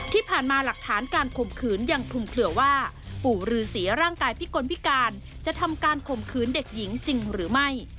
ที่ผ่านมาหลักฐานการข่มขืนยังคลุมเคลือว่าปู่ฤษีร่างกายพิกลพิการจะทำการข่มขืนเด็กหญิงจริงหรือไม่